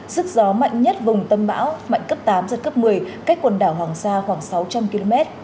sức gió mạnh nhất vùng tâm bão mạnh cấp tám giật cấp một mươi cách quần đảo hoàng sa khoảng sáu trăm linh km